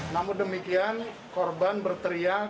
namun demikian korban berteriak